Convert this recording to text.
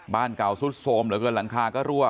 บ้านเก่าสุดโทรมเหลือเกินหลังคาก็รั่ว